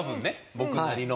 僕なりの。